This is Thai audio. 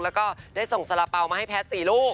แล้วก็ได้ส่งสละเปามาให้แพทรสี่ลูก